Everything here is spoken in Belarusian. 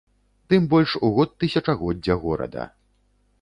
Тым больш у год тысячагоддзя горада.